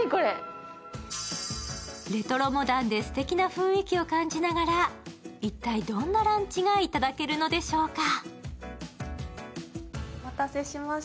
レトロモダンで、すてきな雰囲気を感じながら、一体どんなランチが頂けるのでしょうか。